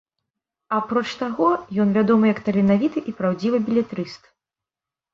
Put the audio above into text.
Апроч таго, ён вядомы як таленавіты і праўдзівы белетрыст.